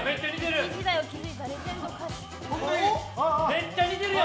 めっちゃ似てるよ！